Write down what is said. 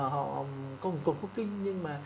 họ còn có kinh nhưng mà